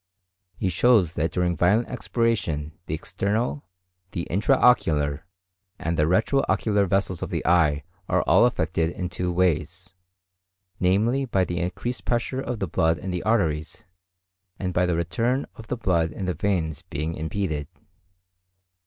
He shows that during violent expiration the external, the intra ocular, and the retro ocular vessels of the eye are all affected in two ways, namely by the increased pressure of the blood in the arteries, and by the return of the blood in the veins being impeded.